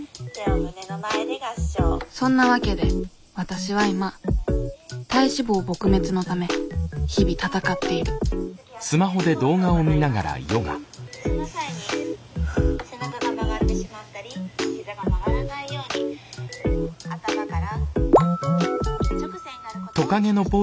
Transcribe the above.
そんなわけでわたしは今体脂肪撲滅のため日々戦っている「その際に背中が曲がってしまったり膝が曲がらないように頭から」。